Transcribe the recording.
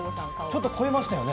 ちょっと肥えましたよね。